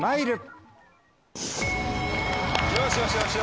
よしよしよし。